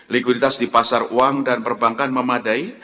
likuiditas di pasar uang dan perbankan memadai